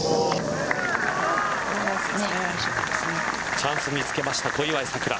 チャンスにつけました小祝さくら。